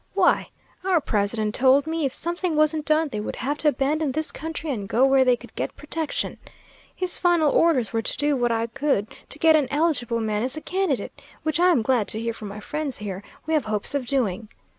Why, our president told me if something wasn't done they would have to abandon this country and go where they could get protection. His final orders were to do what I could to get an eligible man as a candidate, which, I'm glad to hear from my friends here, we have hopes of doing.